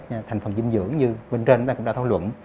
thứ hai là các thành phần dinh dưỡng như bên trên chúng ta đã thảo luận